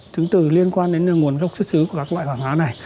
chứng từ liên quan đến nguồn gốc xuất xứ của các loại hàng hóa này